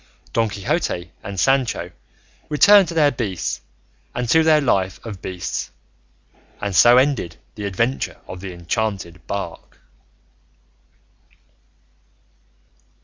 Don Quixote and Sancho returned to their beasts, and to their life of beasts, and so ended the adventure of the enchanted bark.